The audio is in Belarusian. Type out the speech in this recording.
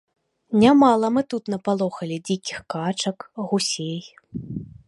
Нямала мы тут напалохалі дзікіх качак, гусей.